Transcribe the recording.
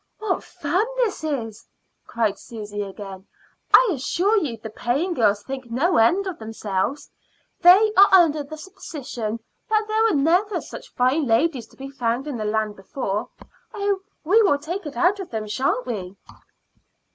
"What fun this is!" cried Susy again. "I assure you the paying girls think no end of themselves. They are under the supposition that there never were such fine ladies to be found in the land before. Oh, we will take it out of them, sha'n't we?"